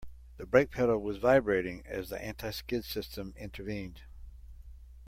The brake pedal was vibrating as the anti-skid system intervened.